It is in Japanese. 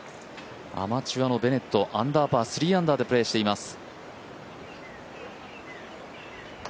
アマチュアのベネットアンダーパー、３アンダーでプレーしています。